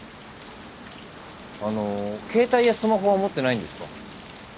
あの携帯やスマホは持ってないんですか？